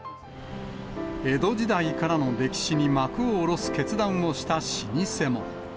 江戸時代からの歴史に幕を下ろす決断をした老舗も。